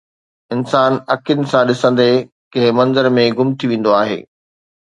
انسان اکين سان ڏسندي ڪنهن منظر ۾ گم ٿي ويندو آهي.